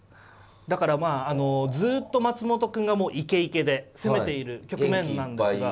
だからまああのずっと松本くんがもうイケイケで攻めている局面なんですが。